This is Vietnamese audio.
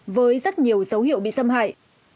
với rất nhiều dấu hiệu bị xâm hại